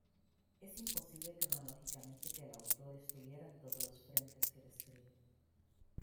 Es imposible cronológicamente que el autor estuviera en todos los frentes que describe.